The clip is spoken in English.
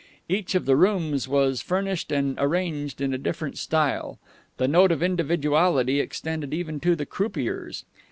Each of the rooms was furnished and arranged in a different style. The note of individuality extended even to the croupiers.